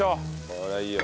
これいいよ。